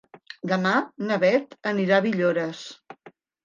Demà na Beth anirà a Villores.